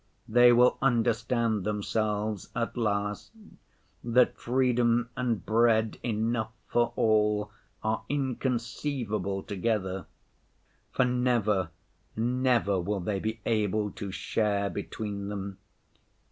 They will understand themselves, at last, that freedom and bread enough for all are inconceivable together, for never, never will they be able to share between them!